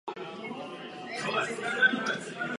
Jde o farní kostel farnosti Kunštát na Moravě.